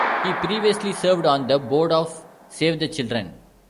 He previously served on the board of Save the Children.